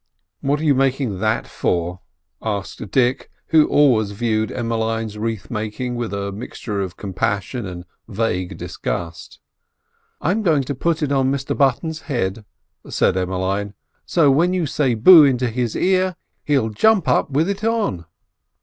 "What are you making that for?" asked Dick, who always viewed Emmeline's wreath making with a mixture of compassion and vague disgust. "I'm going to put it on Mr Button's head," said Emmeline; "so's when you say boo into his ear he'll jump up with it on."